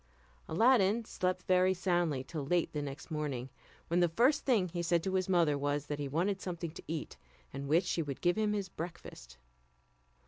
Aladdin slept very soundly till late the next morning, when the first thing he said to his mother was, that he wanted something to eat, and wished she would give him his breakfast.